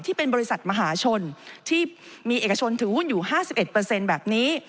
ที่เป็นบริษัทมหาชนที่มีเอกชนถือหุ้นอยู่๕๑แบบนี้